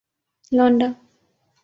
لونڈا